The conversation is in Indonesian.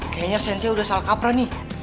kayaknya sensei udah salah kapra nih